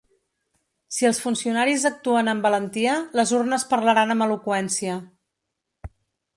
Si els funcionaris actuen amb valentia, les urnes parlaran amb eloqüència.